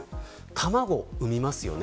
卵を生みますよね。